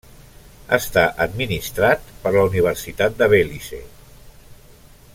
Està administrat per la Universitat de Belize.